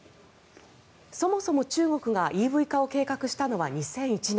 そもそも中国がＥＶ化を計画したのは２００１年。